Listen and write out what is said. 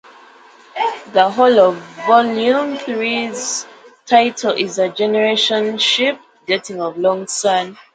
The Whorl of volume three's title is the generation ship setting of "Long Sun".